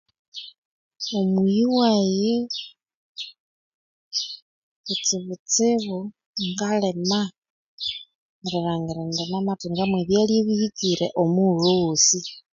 Omuyiwayi kutsibutsibu ngalima erilhwangira indi namathunga mwe byalya ebihikire obuthuko obwosi